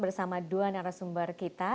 bersama dua narasumber kita